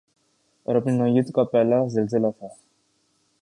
اور اپنی نوعیت کا پہلا زلزلہ تھا